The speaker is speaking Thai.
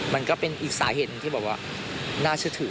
มันก็เป็นอีกสาเหตุหนึ่งที่แบบว่าน่าเชื่อถือ